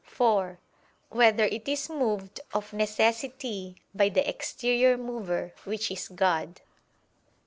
(4) Whether it is moved of necessity by the exterior mover which is God?